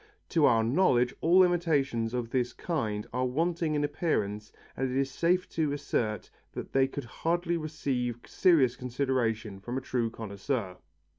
To our knowledge all imitations of this kind are wanting in appearance and it is safe to assert that they could hardly receive serious consideration from a true connoisseur.